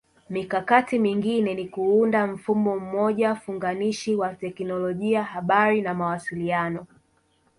Mikakati mingine ni kuunda mfumo mmoja funganishi wa Teknolojia Habari na Mawasiliano